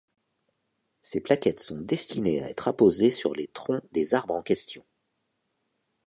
Ces plaquettes sont destinées à être apposées sur les troncs des arbres en question.